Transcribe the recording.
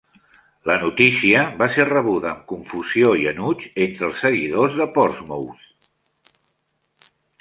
La notícia va ser rebuda amb confusió i enuig entre els seguidors de Portsmouth.